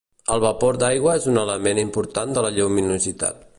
El vapor d'aigua és un element important de la lluminositat.